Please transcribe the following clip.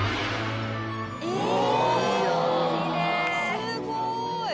「すごい！」